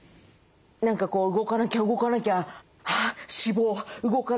何かこう「動かなきゃ動かなきゃあっ脂肪動かなきゃ。